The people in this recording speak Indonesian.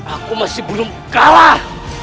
aku masih belum kalah